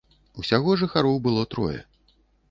Усяго жыхароў было трое.